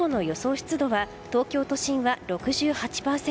湿度は東京都心は６８％。